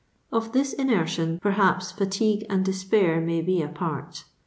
Of this inertion, perhaps fatigue and despair may be a port.